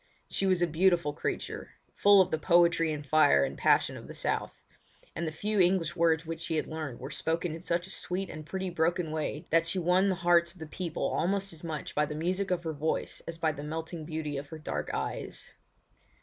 She was a beautiful creature, full of the poetry and fire and passion of the South; and the few English words which she had learned were spoken in such a sweet and pretty broken way that she won the hearts of the people almost as much by the music of her voice as by the melting beauty of her dark eyes.